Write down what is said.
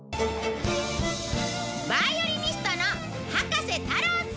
バイオリニストの葉加瀬太郎さん。